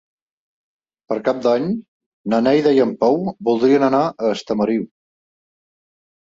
Per Cap d'Any na Neida i en Pau voldrien anar a Estamariu.